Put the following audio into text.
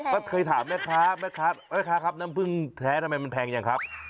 ก็เคยถามแม่ค้าแม่ค้าครับน้ำผึ้งแท้ทำไมมันแพงยังครับ